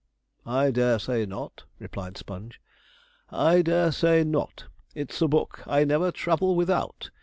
'I dare say not,' replied Sponge, 'I dare say not, it's a book I never travel without.